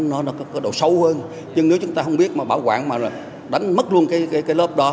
nó có cái độ xấu hơn nhưng nếu chúng ta không biết mà bảo quản mà đánh mất luôn cái lớp đó